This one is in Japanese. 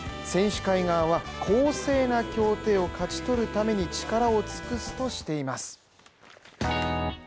選手会側は、公正な協定を勝ち取るために力を尽くすとしています。